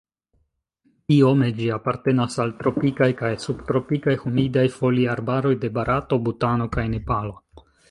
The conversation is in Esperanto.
Biome ĝi apartenas al tropikaj kaj subtropikaj humidaj foliarbaroj de Barato, Butano kaj Nepalo.